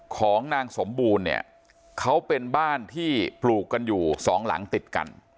ของนางสมบูรณ์เนี่ยเขาเป็นบ้านที่ปลูกกันอยู่สองหลังติดกัน